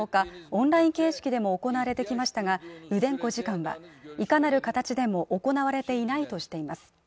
オンライン形式でも行われてきましたが、ルデンコ次官はいかなる形でも行われていないとしています。